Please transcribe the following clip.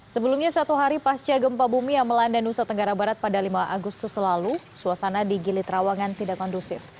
sebelumnya satu hari pasca gempa bumi yang melanda nusa tenggara barat pada lima agustus lalu suasana di gili trawangan tidak kondusif